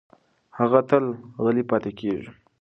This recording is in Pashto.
هغه تل غلې پاتې کېږي.